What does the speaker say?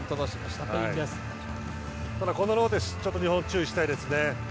ただ、このローテ注意したいですね。